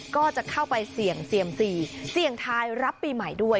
ก็จะเข้าไปเสี่ยงเซียมซีเสี่ยงทายรับปีใหม่ด้วย